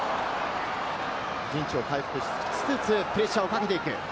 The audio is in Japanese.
陣地を回復して、プレッシャーをかけていく。